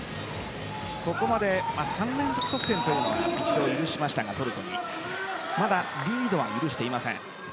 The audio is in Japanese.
ここまで一度３連続得点というのをトルコに許しましたがまだリードは許していません。